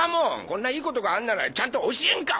こんないいことがあるならちゃんと教えんか！